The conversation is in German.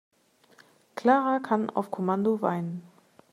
Clara kann auf Kommando weinen.